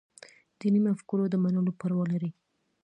دیني مفکورو د منلو پروا لري.